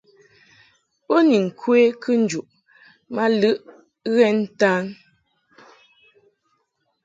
Bo ni ŋkwe kɨnjuʼ ma lɨʼ ghɛn ntan.